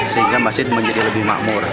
sehingga masjid menjadi lebih makmur